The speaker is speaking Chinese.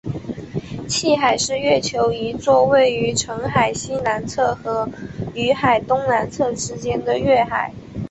汽海是月球一座位于澄海西南侧和雨海东南侧之间的月海。